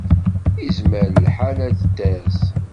Izmer lḥal ad d-tas.